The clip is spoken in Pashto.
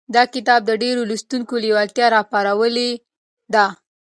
دا کتاب د ډېرو لوستونکو لېوالتیا راپارولې ده.